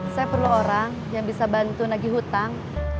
saya perlu orang yang bisa bantu nagih hutang